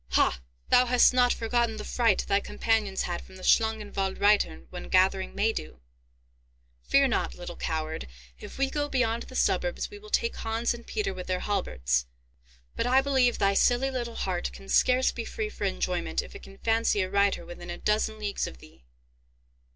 "Ha, thou hast not forgotten the fright thy companions had from the Schlangenwald reitern when gathering Maydew? Fear not, little coward; if we go beyond the suburbs we will take Hans and Peter with their halberts. But I believe thy silly little heart can scarce be free for enjoyment if it can fancy a Reiter within a dozen leagues of thee."